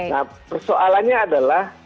nah persoalannya adalah